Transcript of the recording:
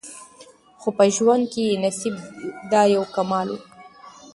خو په ژوند کي یې نصیب دا یو کمال وو